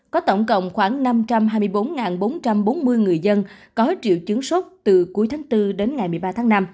có tổng cộng khoảng năm trăm hai mươi bốn bốn trăm bốn mươi người dân có triệu chứng sốt từ cuối tháng bốn đến ngày một mươi ba tháng năm